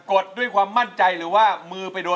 ดด้วยความมั่นใจหรือว่ามือไปโดน